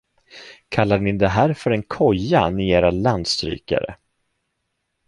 Kallar ni det här för en koja, ni era landstrykare?